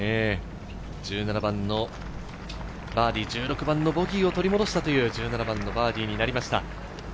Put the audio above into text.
１７番のバーディー、１６番のボギーを取り戻したという１７番のバーディーになりました。